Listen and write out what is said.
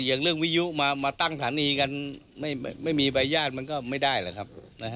อย่างเรื่องวิยุมาตั้งฐานีกันไม่มีใบญาติมันก็ไม่ได้แหละครับ